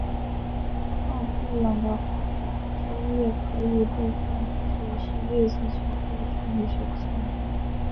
奥布朗的花汁液可以被看做是月经血或处女血的象征。